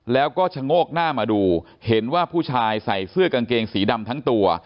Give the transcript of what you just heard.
แล้วก็ชะโงกหน้ามาดูเห็นว่าผู้ชายใส่เสื้อกางเกงสีดำทั้งตัว